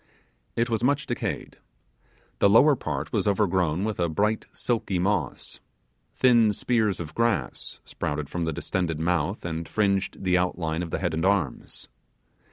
It was much decayed. The lower part was overgrown with a bright silky moss. Thin spears of grass sprouted from the distended mouth, and fringed the outline of the head and arms.